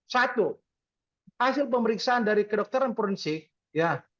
satu hasil pemeriksaan dari kedokteran prinsip